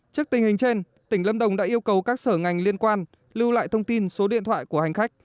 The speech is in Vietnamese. trước tình hình trên tỉnh lâm đồng đã yêu cầu các sở ngành liên quan lưu lại thông tin số điện thoại của hành khách